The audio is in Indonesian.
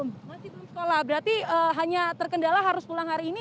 masih belum sekolah berarti hanya terkendala harus pulang hari ini